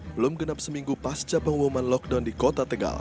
belum genap seminggu pasca pengumuman lockdown di kota tegal